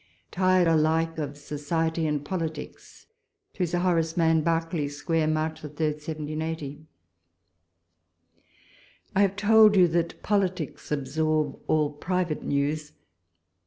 . TIRED ALIKE OF SOCIETY AyD POLITICS. To Sir Horace Mann. Berkeley Square, March 3, 1780. ... I HAVE told you that politics absorb all private news.